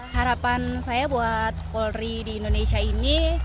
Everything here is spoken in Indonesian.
harapan saya buat polri di indonesia ini